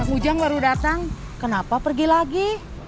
ujang baru datang kenapa pergi lagi